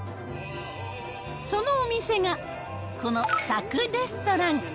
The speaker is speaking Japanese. そのお店が、このサクレストラン。